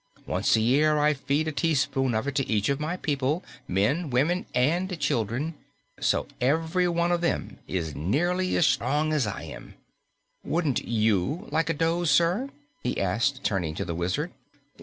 Once a year I feed a teaspoonful of it to each of my people men, women and children so every one of them is nearly as strong as I am. Wouldn't YOU like a dose, sir?" he asked, turning to the Wizard.